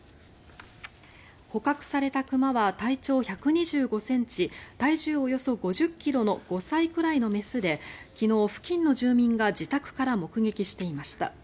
捕獲された熊は体長１２５ｃｍ体重およそ５０ｋｇの５歳くらいの雌で昨日、付近の住民が自宅から目撃していました。